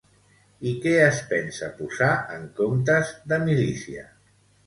I què es pensa posar en comptes de milícia?